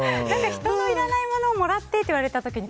人のいらないものをもらってって言われた時に